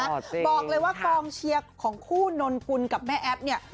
บอกเลยว่ากองเชียร์ของคู่นนกุลกับแม่แอ๊บเนี่ย